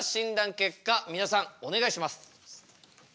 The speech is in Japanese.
結果皆さんお願いします！